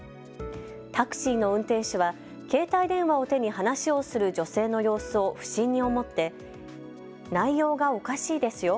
タクシーの運転手は携帯電話を手に話をする女性の様子を不審に思って、内容がおかしいですよ。